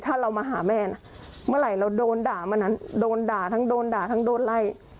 ถ้าเรามาหาแม่นะเมื่อไหร่เราโดนด่าเมื่อนั้นโดนด่าทั้งโดนด่าทั้งโดนไล่